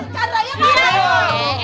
pak chandra ya pak